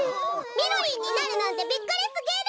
みろりんになるなんてびっくりすぎる！